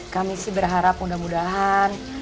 kami sih berharap mudah mudahan